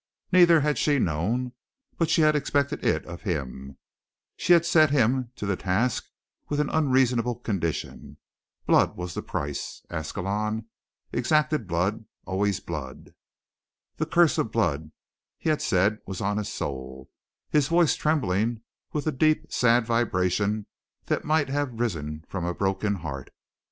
Neither had she known, but she had expected it of him, she had set him to the task with an unreasonable condition. Blood was the price. Ascalon exacted blood, always blood. The curse of blood, he had said, was on his soul, his voice trembling with the deep, sad vibration that might have risen from a broken heart.